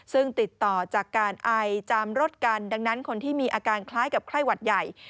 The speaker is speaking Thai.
ซึ่งติดต่อจากการไอจามรถกันดังนั้นคนที่มีอาการคล้ายกับไข้หวัดใหญ่